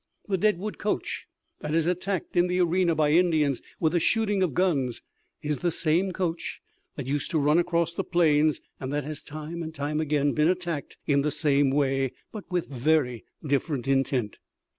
The Deadwood coach that is attacked in the arena by Indians with the shooting of guns is the same coach that used to run across the plains and that has time and time again been attacked in the same way, but with very different intent.